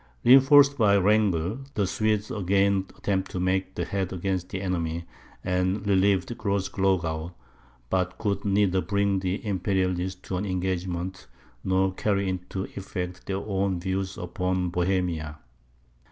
Reinforced by Wrangel, the Swedes again attempted to make head against the enemy, and relieved Grossglogau; but could neither bring the Imperialists to an engagement, nor carry into effect their own views upon Bohemia.